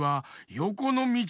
よこのみち？